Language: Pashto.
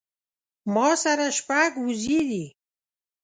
ما سره شپږ وزې دي